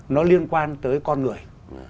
nó liên quan tới con người